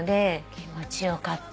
気持ち良かった。